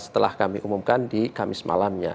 setelah kami umumkan di kamis malamnya